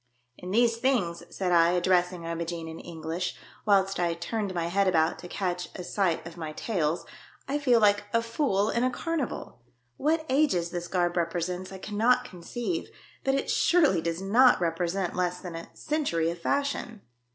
" In these things," said I, addressing I mo gene in English, whilst I turned my head about to catch a sight of my tails, " I feel like a fool in a carnival. What ages this garb represents I cannot conceive, but it surely does not represent less than a century of fashion."